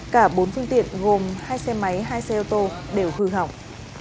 cả bốn phương tiện gồm hai xe máy hai xe ô tô đều hư hỏng